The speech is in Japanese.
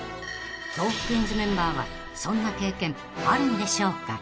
［トークィーンズメンバーはそんな経験あるんでしょうか］